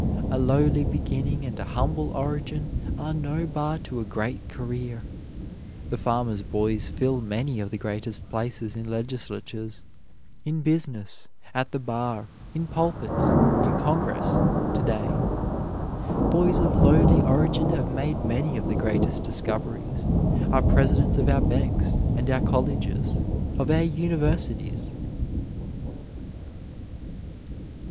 A lowly beginning and a humble origin are no bar to a great career. The farmer's boys fill many of the greatest places in legislatures, in business, at the bar, in pulpits, in Congress, to day. Boys of lowly origin have made many of the greatest discoveries, are presidents of our banks, of our colleges, of our universities.